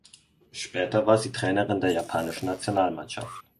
Später war sie Trainerin der japanischen Nationalmannschaft.